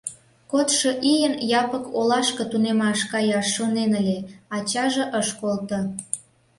Кодшо ийын Япык олашке тунемаш каяш шонен ыле — ачаже ыш колто: